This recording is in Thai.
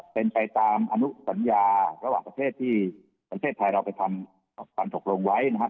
เป็นไปตามอนุสัญญาระหว่างประเทศที่ประเทศไทยเราไปทำความตกลงไว้นะครับ